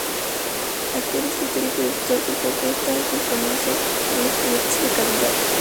Actor, escritor y productor, con propuesta y compromiso con los proyectos de calidad.